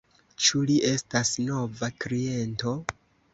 Ĉu li estas nova kliento?